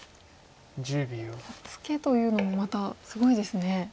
ただツケというのもまたすごいですね。